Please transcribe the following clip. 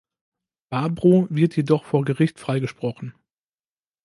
Barbro wird jedoch vor Gericht freigesprochen.